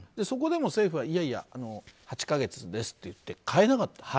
そこでも政府はいやいや、８か月ですと言って変えなかった。